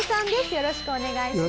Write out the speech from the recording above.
よろしくお願いします。